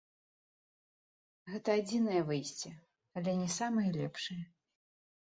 Гэта адзінае выйсце, але не самае лепшае.